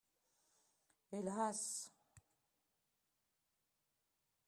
Hélas